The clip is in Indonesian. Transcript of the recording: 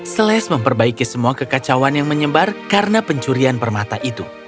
slash memperbaiki semua kekacauan yang menyebar karena pencurian permata itu